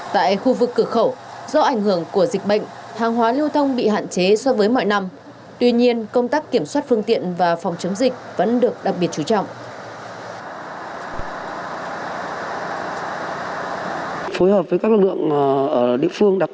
tại khu vực cửa khẩu do ảnh hưởng của dịch bệnh hàng hóa lưu thông bị hạn chế so với mọi năm tuy nhiên công tác kiểm soát phương tiện và phòng chống dịch vẫn được đặc biệt chú trọng